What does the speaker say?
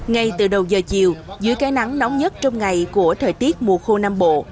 ngay từ đầu giờ chiều dưới cái nắng nóng nhất trong ngày của thời tiết mùa khô nam bộ